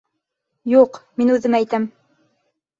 Юҡ, мин үҙем әйтәм.